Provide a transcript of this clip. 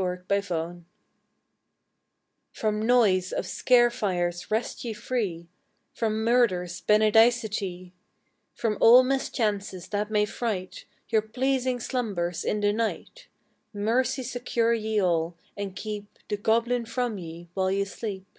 THE BELL MAN From noise of scare fires rest ye free From murders, Benedicite; From all mischances that may fright Your pleasing slumbers in the night Mercy secure ye all, and keep The goblin from ye, while ye sleep.